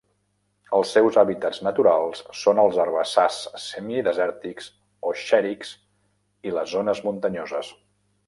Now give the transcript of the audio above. Els seus hàbitats naturals són els herbassars semidesèrtics o xèrics i les zones muntanyoses.